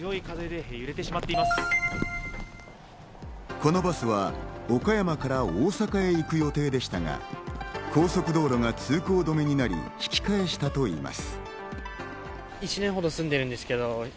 このバスは岡山から大阪へ行く予定でしたが高速道路が通行止めになり、引き返したといます。